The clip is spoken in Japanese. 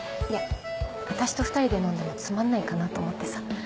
いや私と２人で飲んでもつまんないかなと思ってさ。